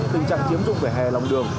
tình trạng chiếm dụng về hè lòng đường